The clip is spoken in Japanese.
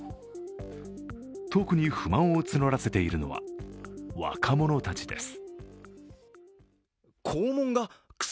特に不満を募らせているのは若者たちです。